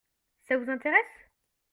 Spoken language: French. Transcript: Ça vous intéresse ?